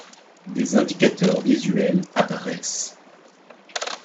Des indicateurs visuels apparaissent.